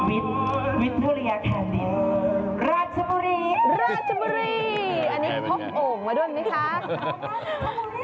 อันนี้ทบองกันด้วยมั้ยคะ